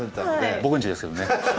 僕んちですけどね。